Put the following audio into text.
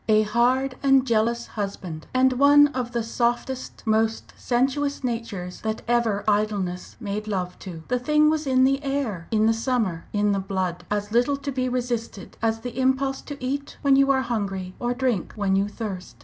A hard and jealous husband, and one of the softest, most sensuous natures that ever idleness made love to. The thing was in the air! in the summer, in the blood as little to be resisted as the impulse to eat when you are hungry, or drink when you thirst.